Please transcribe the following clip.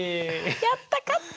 やった勝った！